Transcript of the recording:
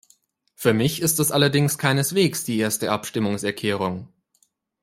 Für mich ist das allerdings keineswegs die erste Abstimmungserkärung!